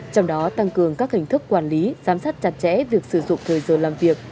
trong đó tăng cường các hình thức quản lý giám sát chặt chẽ việc sử dụng thời giờ làm việc